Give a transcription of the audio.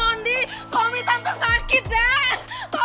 tolong dek maudie suami tante sakit dek